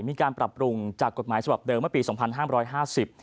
มีการปรับปรุงจากกฎหมายสภาพเดิมเมื่อปี๒๕๕๐